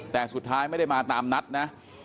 แต่สุดท้ายไม่ได้มาตามนัดนะ